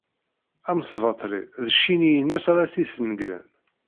Amesbaṭli, d ccee-nni-ines ara t-isnegren.